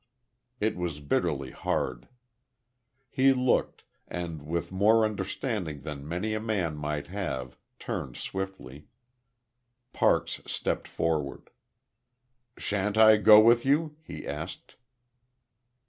It was bitterly hard. He looked; and with more understanding than many a man might have, turned swiftly. Parks stepped forward. "Shan't I go with you?" he asked.